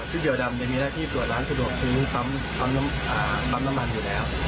เกียวดำมีหน้าที่เปิดร้านสะดวกซื้อปั๊มน้ำมันอยู่แล้ว